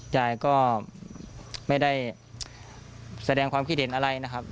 ยายก็ไม่ได้แสดงความคิดเห็นอะไรนะครับ